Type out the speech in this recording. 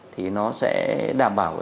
thì nó sẽ đảm bảo